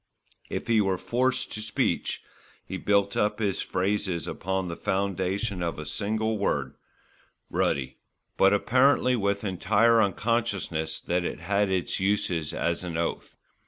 If he were forced to speech, he built up his phrases upon the foundation of a single word, "ruddy"; but apparently with entire unconsciousness that it had its uses as an oath.